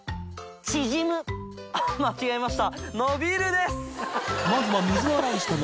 未燹△間違えました。